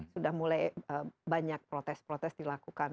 sudah mulai banyak protes protes dilakukan